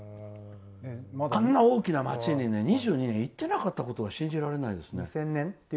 あんな大きな街に２２年行っていなかったことが信じられないです。